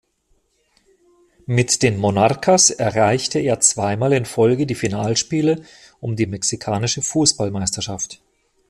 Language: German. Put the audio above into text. Mit den Monarcas erreichte er zweimal in Folge die Finalspiele um die mexikanische Fußballmeisterschaft.